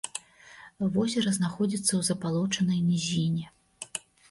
Возера знаходзіцца ў забалочанай нізіне.